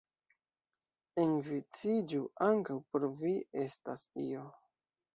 Enviciĝu, ankaŭ por Vi estas io.